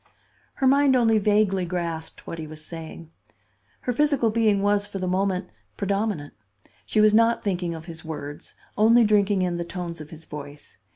Her mind only vaguely grasped what he was saying. Her physical being was for the moment predominant. She was not thinking of his words, only drinking in the tones of his voice.